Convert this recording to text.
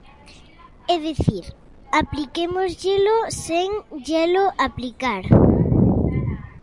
É dicir, apliquémosllelo sen llelo aplicar.